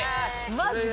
マジか！